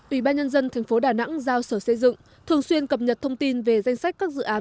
ủy ban nhân dân tp đà nẵng giao sở xây dựng thường xuyên cập nhật thông tin về danh sách các dự án